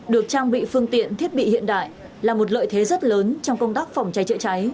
được trang bị phương tiện thiết bị hiện đại là một lợi thế rất lớn trong công tác phòng trái trịa trái